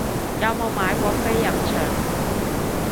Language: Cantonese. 有冇買過飛入場